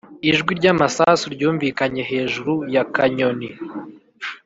ijwi ry’amasasu ryumvikanye hejuru ya kanyoni.